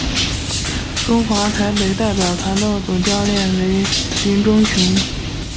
中华台北代表团的总教练为林忠雄。